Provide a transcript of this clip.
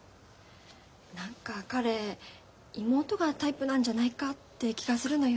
何か彼妹がタイプなんじゃないかって気がするのよ。